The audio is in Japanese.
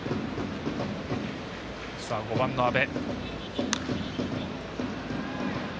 ５番の阿部。